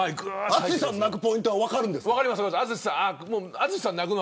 淳さんが泣くポイントは分かるんですか。